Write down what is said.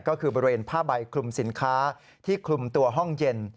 ก็คือบริเวณผ้าใบคลุมสินค้าที่คลุมตัวห้องเย็น